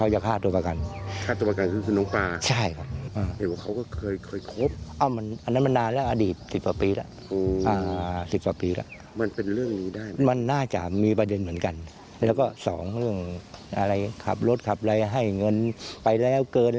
จะไปเคลียร์หนี้สินอะไรอย่างนี้